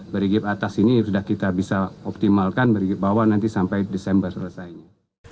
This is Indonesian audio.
berigip atas ini sudah kita bisa optimalkan beriki bawah nanti sampai desember selesainya